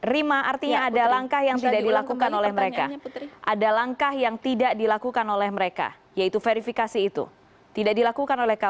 rima artinya ada langkah yang tidak dilakukan oleh mereka ada langkah yang tidak dilakukan oleh mereka yaitu verifikasi itu tidak dilakukan oleh kpk